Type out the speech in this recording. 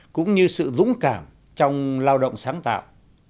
cũng như sự dũng cảm trong lao động sáng tạo